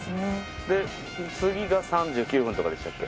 で次が３９分とかでしたっけ？